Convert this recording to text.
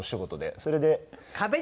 それで。